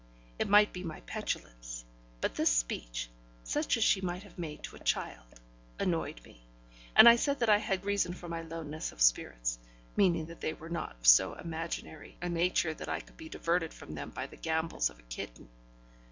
It might be my petulance, but this speech such as she might have made to a child annoyed me, and I said that I had reason for my lowness of spirits meaning that they were not of so imaginary a nature that I could be diverted from them by the gambols of a kitten.